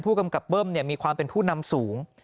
กำกับเบิ้มมีความเป็นผู้นำสูง